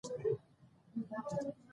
څوک ښار ته تللی و؟